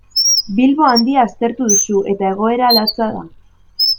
Bilbo Handia aztertu duzu eta egoera latza da.